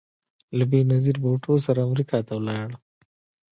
له بېنظیر بوټو سره امریکا ته ولاړ